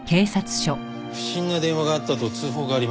不審な電話があったと通報がありましてね